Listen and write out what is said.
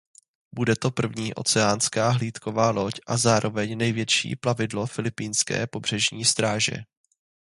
Bude to první oceánská hlídková loď a zároveň největší plavidlo filipínské pobřežní stráže.